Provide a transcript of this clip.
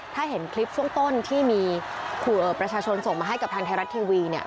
ถ้าเห็นคลิปช่วงต้นที่มีประชาชนส่งมาให้กับทางไทยรัฐทีวีเนี่ย